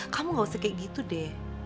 kamu gak usah kayak gitu deh